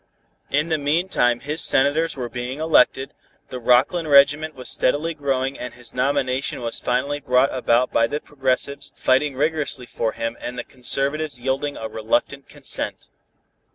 In the meantime his senators were being elected, the Rockland sentiment was steadily growing and his nomination was finally brought about by the progressives fighting vigorously for him and the conservatives yielding a reluctant consent.